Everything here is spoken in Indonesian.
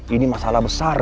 ini masalah besar